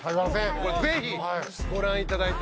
これぜひご覧いただいて。